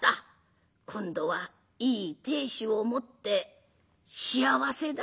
今度はいい亭主を持って幸せだ」。